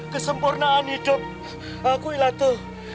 kesempurnaan hidup aku ilato